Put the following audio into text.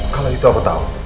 kalau gitu apa tau